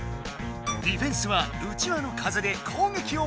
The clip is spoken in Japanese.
ディフェンスはうちわの風で攻撃を妨害できる。